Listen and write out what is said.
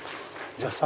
じゃあね。